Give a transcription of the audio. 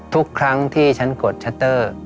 ทุกครั้งที่ฉันกดชัตเตอร์